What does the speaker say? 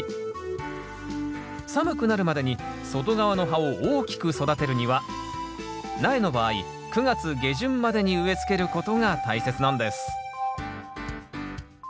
寒くなるまでに外側の葉を大きく育てるには苗の場合９月下旬までに植え付けることが大切なんです